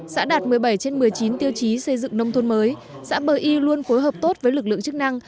xã đạt một mươi bảy trên một mươi chín tiêu chí xây dựng nông thôn mới xã bờ y luôn phối hợp tốt với lực lượng chức năng